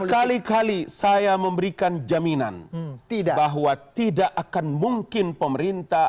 berkali kali saya memberikan jaminan bahwa tidak akan mungkin pemerintah